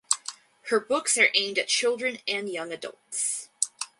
Her books are aimed at children and young adults.